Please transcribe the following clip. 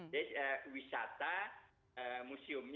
jadi wisata museum